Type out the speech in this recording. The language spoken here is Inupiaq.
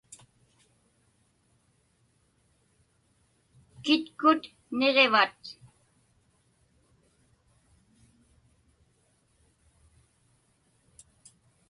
Kitkut niġivat?